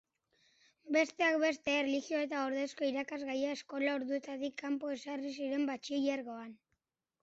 Besteak beste, erlijioa eta ordezko irakasgaia eskola orduetatik kanpo ezarri ziren batxilergoan.